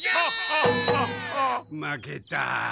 負けた。